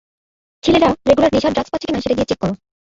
ছেলেরা রেগুলার নেশা আর ড্রাগস পাচ্ছে কিনা সেটা গিয়ে চেক কর।